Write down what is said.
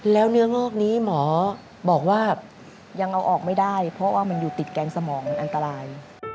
แล้วเนื้องอกนี้หมอบอกว่ายังเอาออกไม่ได้เพราะว่ามันอยู่ติดแกงสมองมันอันตราย